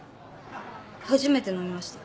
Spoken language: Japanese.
初めて飲みました。